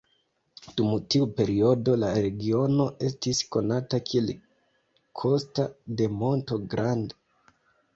Dum tiu periodo la regiono estis konata kiel Costa de Monto Grande.